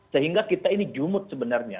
sehingga kita ini jumut sebenarnya